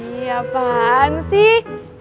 iya apaan sih